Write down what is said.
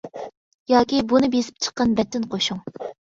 ياكى بۇنى بېسىپ چىققان بەتتىن قوشۇڭ.